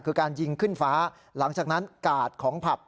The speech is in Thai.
คือการยิงขึ้นฟ้าหลังจากนั้นกาดของผับ